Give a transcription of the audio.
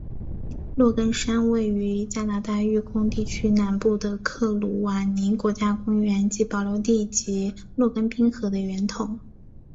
洛根山位于加拿大育空地区南部的克鲁瓦尼国家公园及保留地及洛根冰河的源头。